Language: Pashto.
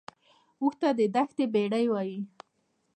اوښ ته د دښتې بیړۍ وایي